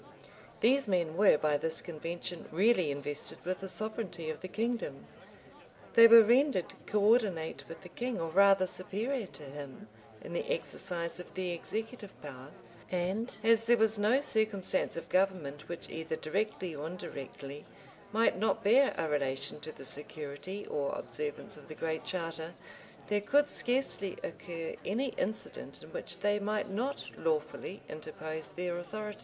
These men were, by this convention, really invested with the sovereignty of the kingdom: they were rendered coordinate with the king, or rather superior to him, in the exercise of the executive power; and as there was no circumstance of government which, either directly or indirectly, might not bear a relation to the security or observance of the Great Charter, there could scarcely occur any incident in which they might not lawfully interpose their authority.